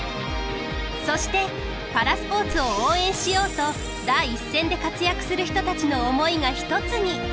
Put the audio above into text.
そしてパラスポーツを応援しようと第一線で活躍する人たちの思いが一つに。